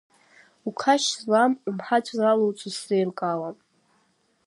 Уқашь злам, умҳаҵә залуҵо сзеилкаауам…